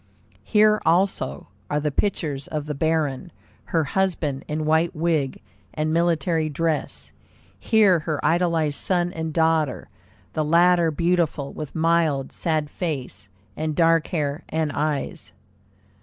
Here also are the pictures of the Baron, her husband, in white wig and military dress; here her idolized son and daughter, the latter beautiful, with mild, sad face, and dark hair and eyes.